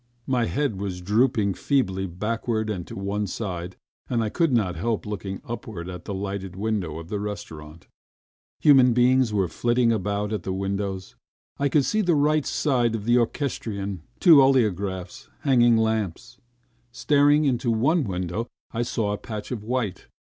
My head was drooping feebly backwards and on one side, and I could not help looking upwards at the lighted windows of the restaurant. Human figures were flitting about at the windows. I could see the right side of the orchestrion, two oleographs, hanging lamps .... Staring into one window, I saw a patch of white.